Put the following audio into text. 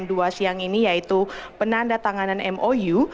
pertama penanda tanganan mou yaitu penanda tanganan mou